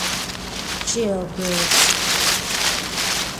Jail Birds